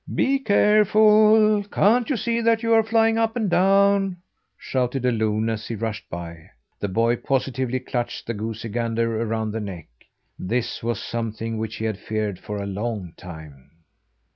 "Be careful! Can't you see that you are flying up and down?" shouted a loon as he rushed by. The boy positively clutched the goosey gander around the neck. This was something which he had feared for a long time.